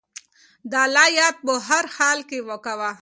د الله یاد په هر حال کې کوه.